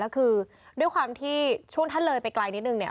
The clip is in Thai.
แล้วคือด้วยความที่ช่วงทะเลไปไกลนิดหนึ่งเนี่ย